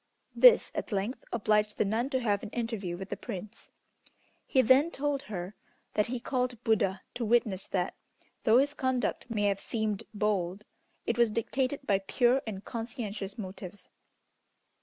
This at length obliged the nun to have an interview with the Prince. He then told her that he called Buddha to witness that, though his conduct may have seemed bold, it was dictated by pure and conscientious motives.